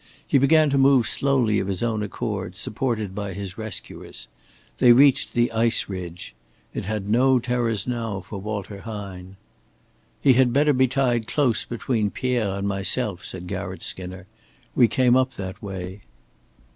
He began to move slowly of his own accord, supported by his rescuers. They reached the ice ridge. It had no terrors now for Walter Hine. "He had better be tied close between Pierre and myself," said Garratt Skinner. "We came up that way."